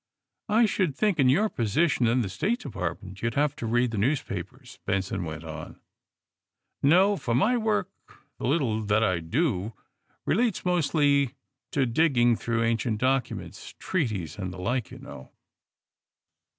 I should think, in your position in the State Department, you'd have to read the news papers," Benson went on. No; for my work — the little that I do^ — re lates mostly to digging through ancient docu ments — treaties and the like, you know."